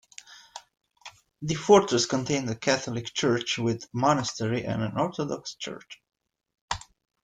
The fortress contained a Catholic church with monastery and an Orthodox church.